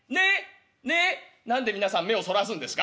何で皆さん目をそらすんですか？